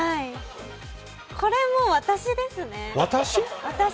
これも私ですね。